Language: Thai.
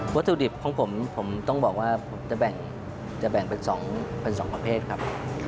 ถุดิบของผมผมต้องบอกว่าผมจะแบ่งเป็น๒ประเภทครับ